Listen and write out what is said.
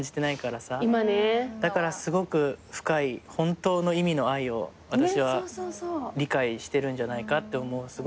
だからすごく深い本当の意味の愛を私は理解してるんじゃないかって思うすごく。